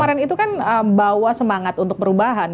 kemarin itu kan bawa semangat untuk perubahan